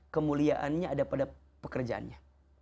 kemuliaannya ada pada pekerjaannya